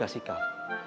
harus menjaga sikap